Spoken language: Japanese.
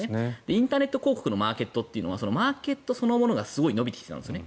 インターネット広告のマーケットというのはマーケットそのものがすごい伸びてきたんですね。